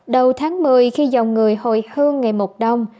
đầu tháng một mươi khi dòng người hồi hương ngày một đông